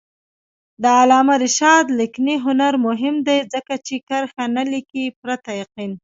د علامه رشاد لیکنی هنر مهم دی ځکه چې کرښه نه لیکي پرته یقین.